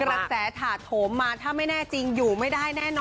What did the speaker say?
กระแสถาโถมมาถ้าไม่แน่จริงอยู่ไม่ได้แน่นอน